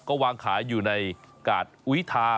ก็วางขายอยู่ในกาดอุยทา